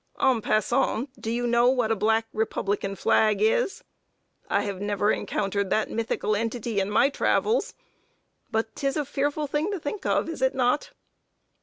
En passant, do you know what a Black Republican flag is? I have never encountered that mythical entity in my travels; but 'tis a fearful thing to think of is it not?